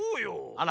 あら。